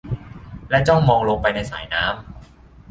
และจ้องมองลงไปในสายน้ำ